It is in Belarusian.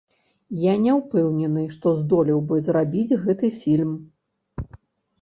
Я не ўпэўнены, што здолеў бы зрабіць гэты фільм.